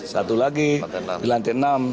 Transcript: satu lagi di lantai enam